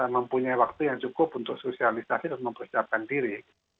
mempunyai waktu yang cukup untuk sosialisasi dan mempersiapkan diri